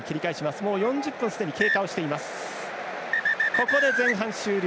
ここで前半終了。